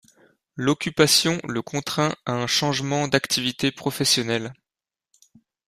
L'occupation le contraint à un changement d'activité professionnelle.